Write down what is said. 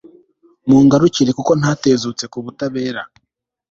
mungarukire, kuko ntatezutse ku butabera